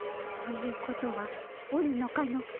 ということはおるのかの？